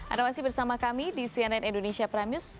ada masih bersama kami di cnn indonesia prime news